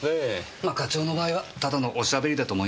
ま課長の場合はただのおしゃべりだと思いますけどね。